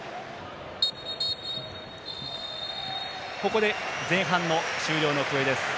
ここで前半の終了の笛です。